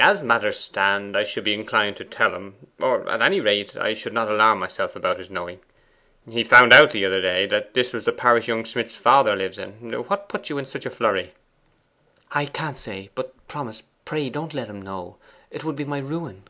'As matters stand, I should be inclined to tell him; or, at any rate, I should not alarm myself about his knowing. He found out the other day that this was the parish young Smith's father lives in what puts you in such a flurry?' 'I can't say; but promise pray don't let him know! It would be my ruin!